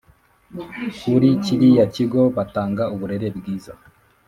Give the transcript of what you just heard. kuri kiriya kigo batanga uburere bwiza